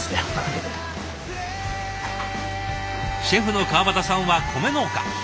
シェフの川端さんは米農家。